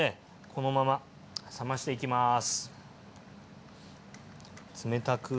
このまま冷ましていきます。